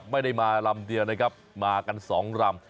ไม่ได้มาลำเดียวนะครับมากันสองลำ